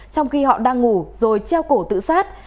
trong khi họ đang ngủ rồi treo cổ tự sát